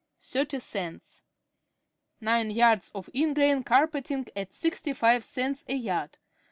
30 Nine yards of ingrain carpeting at sixty five cents a yard 5.